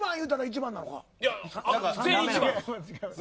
全員、一番。